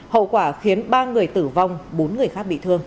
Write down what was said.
hậu quả khiến ba người tử vong bốn người khác bị thương